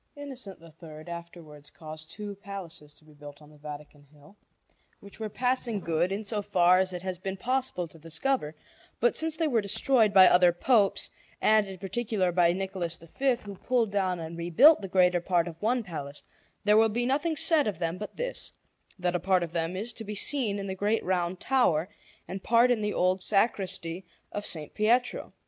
Innocent III afterwards caused two palaces to be built on the Vatican Hill, which were passing good, in so far as it has been possible to discover; but since they were destroyed by other Popes, and in particular by Nicholas V, who pulled down and rebuilt the greater part of one palace, there will be nothing said of them but this, that a part of them is to be seen in the great Round Tower and part in the old sacristy of S. Pietro.